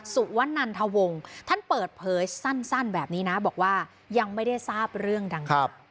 วนันทวงท่านเปิดเผยสั้นแบบนี้นะบอกว่ายังไม่ได้ทราบเรื่องดังครับ